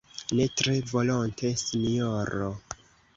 ne tre volonte, sinjoro.